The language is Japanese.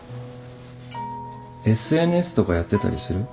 ＳＮＳとかやってたりする？